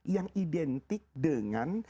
yang identik dengan